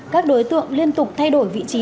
các đối tượng liên tục thay đổi vị trí